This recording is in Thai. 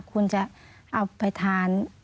คุณจะเอาไปทาน